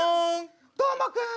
どーもくん！